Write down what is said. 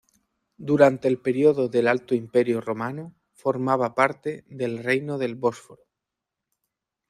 Durante el período del Alto Imperio romano formaba parte del Reino del Bósforo.